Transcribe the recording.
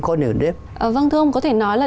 có nền đếp vâng thưa ông có thể nói là